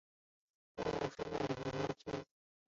嘉永是日本的年号之一。